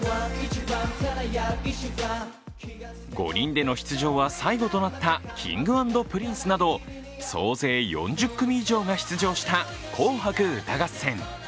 ５人での出場は最後となったＫｉｎｇ＆Ｐｒｉｎｃｅなど、総勢４０組以上が出場した「紅白歌合戦」。